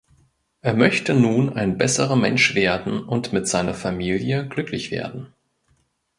Er möchte nun ein besserer Mensch werden und mit seiner Familie glücklich werden.